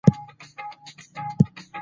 موږ کولای سو د علومو ترمنځ پولي وټاکو.